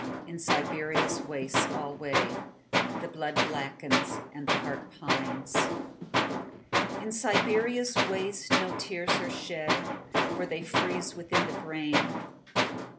In Siberia's wastes alwayThe blood blackens, the heart pines.In Siberia's wastesNo tears are shed, For they freeze within the brain.